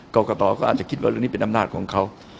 กรกตก็อาจจะคิดว่าเรื่องนี้เป็นอำนาจของเขา